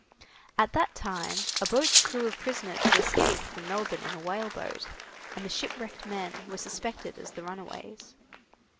At that time a boat's crew of prisoners had escaped from Melbourne in a whale boat, and the ship wrecked men were suspected as the runaways.